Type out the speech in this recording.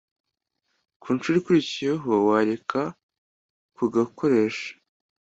ku nshuro ikurikiyeho wareka kugakoresha